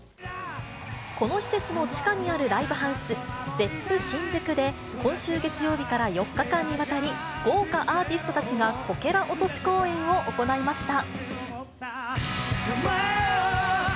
この施設の地下にあるライブハウス、ゼップ・シンジュクで、今週月曜日から４日間にわたり、豪華アーティストたちがこけら落とし公演を行いました。